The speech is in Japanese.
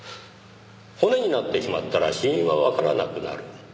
「骨になってしまったら死因はわからなくなる」